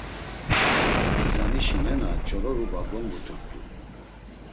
İzanişi nena, Ç̌ororuba gonguturt̆u.